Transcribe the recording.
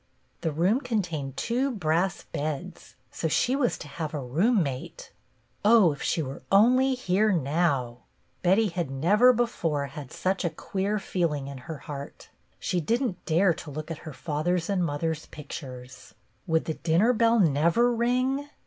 The room contained two brass beds, so she was to have a roommate ! Oh, if she were only here now ! Betty had never before had such a queer feeling in her heart. She did n't dare to look at her father's and mother's pictures. Would the dinner bell never ring.?